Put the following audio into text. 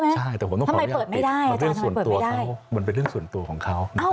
ใช่แต่ผมต้องขออนุญาตมันเป็นเรื่องส่วนตัวของเขา